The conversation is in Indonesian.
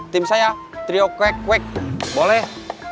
tim saya trio kwek kwek boleh